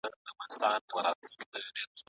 زموږ چارواکي بايد د نورو له تېروتنو زده کړه وکړي.